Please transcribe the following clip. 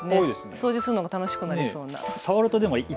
掃除するのが楽しくなりそうな。